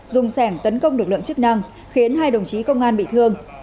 dùng sẻng tấn công lực lượng chức năng khiến hai đồng chí công an bị thương